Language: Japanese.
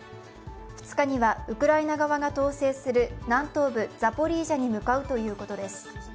２日には、ウクライナ側が統制する南東部ザポリージャに向かうということです。